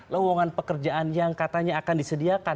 lowongan pekerjaan yang katanya akan disediakan